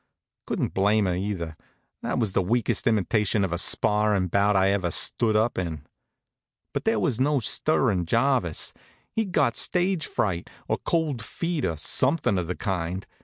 Couldn't blame her, either. That was the weakest imitation of a sparrin' bout I ever stood up in. But there was no stirrin' Jarvis. He'd got stage fright, or cold feet, or something of the kind.